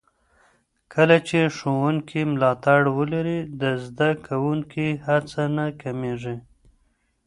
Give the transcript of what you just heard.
کله چې ښوونکي ملاتړ ولري، د زده کوونکو هڅه نه کمېږي.